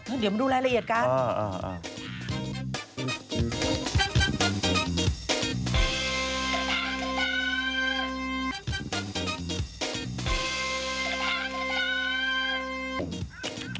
เดี๋ยวมาดูรายละเอียดกัน